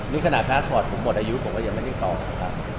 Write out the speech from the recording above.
นี่ขนาดพูดได้ผมหมดอายุผมก็ไม่ตอบ